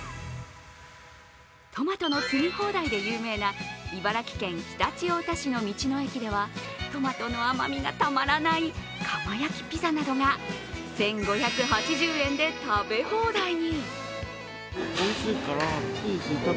トマトのつみ放題で有名な茨城県常陸太田市の道の駅ではトマトの甘味がたまらない窯焼きピザなどが１５８０円で食べ放題に。